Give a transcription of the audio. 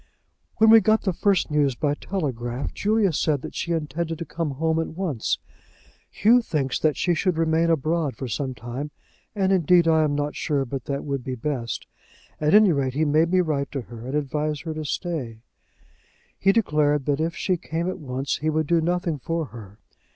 "When we got the first news by telegraph, Julia said that she intended to come home at once. Hugh thinks that she should remain abroad for some time, and indeed I am not sure but that would be best. At any rate he made me write to her, and advise her to stay. He declared that if she came at once he would do nothing for her.